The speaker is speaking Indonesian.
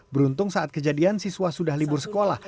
beruntung saat kejadian siswa sudah libur sekolah